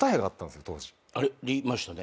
ありましたね。